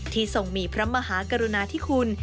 ทรงมีพระมหากรุณาธิคุณ